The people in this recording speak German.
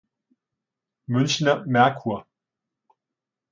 Münchener Merkur